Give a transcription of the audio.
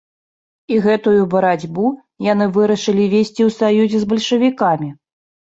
І гэтую барацьбу яны вырашылі весці ў саюзе з бальшавікамі.